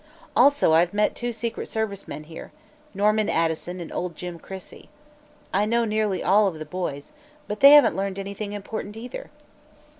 Also I've met two secret service men here Norman Addison and old Jim Crissey. I know nearly all of the boys. But they haven't learned anything important, either."